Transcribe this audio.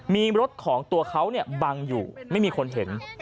มีรถของตัวเขาบังอยู่ไม่มีคนเห็น